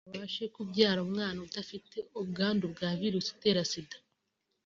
abashe kubyara umwana udafite ubwandu bwa virusi itera Sida